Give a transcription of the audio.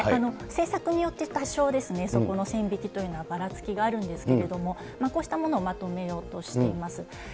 政策によって多少、そこの線引きというのはばらつきがあるんですけれども、こうしたものをまとめようとしています。